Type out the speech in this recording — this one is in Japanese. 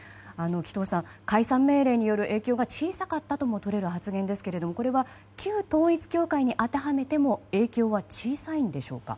紀藤さん、解散命令による影響が小さかったともとれる発言ですがこれは旧統一教会に当てはめても影響は小さいんでしょうか？